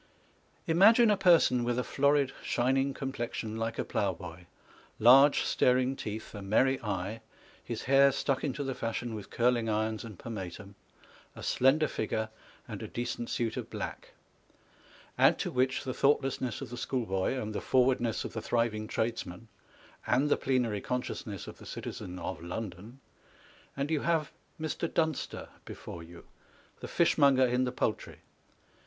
Imagine a person with a florid shining complexion like a ploughboy, large staring teeth, a merry eye, his hair stuck into the fashion wdth curling irons and pomatum, a slender figure, and a decent suit of black â€" add to which the thoughtlessness of the schoolboy, and the forwardness of the thriving tradesman, and the plenary consciousness of the citizen of London â€" and you have Mr. Dunster1 before you, the fishmonger in the Poultry.